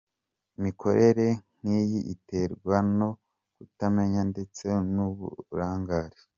Imikorere nk’iyi iterwa no kutamenya ndetse n’uburangare.